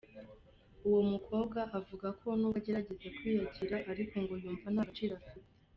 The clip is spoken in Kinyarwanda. Uwo mukobwa avuga ko n’ubwo agerageza kwiyakira, ariko ngo yumva nta gaciro afite.